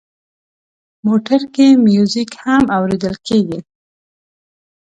موټر کې میوزیک هم اورېدل کېږي.